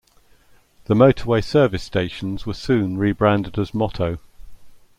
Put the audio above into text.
The motorway service stations were soon rebranded as Moto.